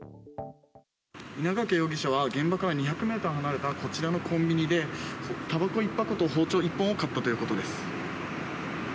稲掛容疑者は現場から２００ｍ離れたこちらのコンビニでたばこ１箱と包丁を買ったということです。